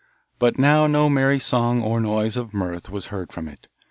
But now no merry song or noise of mirth was heard from it.